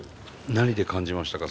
何で感じましたか？